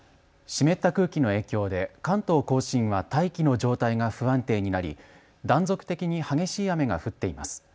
湿った空気の影響で関東甲信は大気の状態が不安定になり断続的に激しい雨が降っています。